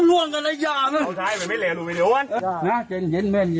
เฮ้ยลุงเอ้ยทิศติดกางเกงเนี่ยอันนี้ไม่เป็นไรไม่เป็นไรไม่เป็นไร